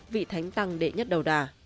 vị thánh tăng đệ nhất đầu đà